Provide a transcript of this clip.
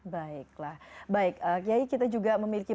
baiklah baik kiai kita juga memiliki